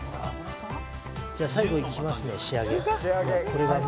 じゃあ最後いきますね仕上げ。